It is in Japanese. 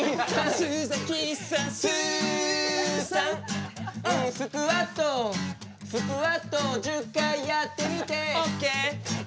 洲崎さんすさんスクワットスクワットを１０回やってみてＯＫ。